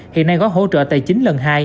hiện nay có hỗ trợ tài chính lần hai